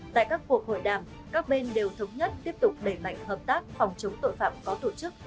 tại các cuộc hội đàm các bên đều thống nhất tiếp tục đẩy mạnh hợp tác phòng chống tội phạm có tổ chức